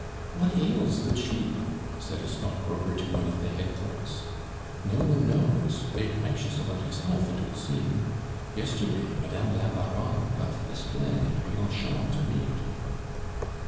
"What ails the chief?" said a stockbroker to one of the head clerks. "No one knows; they are anxious about his health, it would seem. Yesterday, Madame la Baronne got Desplein and Bianchon to meet."